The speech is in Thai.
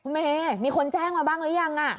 เมย์มีคนแจ้งมาบ้างหรือยัง